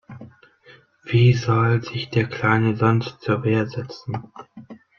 Wie soll sich der Kleine sonst zur Wehr setzen?